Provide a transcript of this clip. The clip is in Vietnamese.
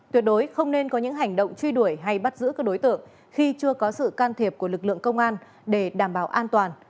tuyệt đối không nên có những hành động truy đuổi hay bắt giữ các đối tượng khi chưa có sự can thiệp của lực lượng công an để đảm bảo an toàn